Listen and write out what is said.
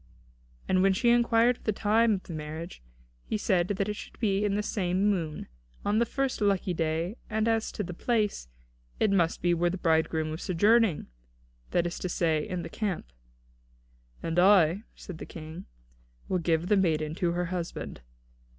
And when she inquired of the time of the marriage, he said that it should be in the same moon, on the first lucky day; and as to the place, that it must be where the bridegroom was sojourning, that is to say, in the camp. "And I," said the King, "will give the maiden to her husband."